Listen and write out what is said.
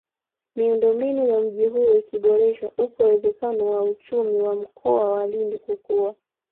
Miundombinu ya mji huo ikiboreshwa upo uwezekano wa uchumi wa Mkoa wa Lindi kukua